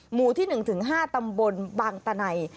หมู่ที่๑ถึง๕ตำบลบางตนัย